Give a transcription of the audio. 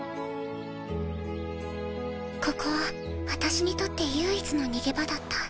ここは私にとって唯一の逃げ場だった。